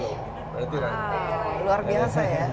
luar biasa ya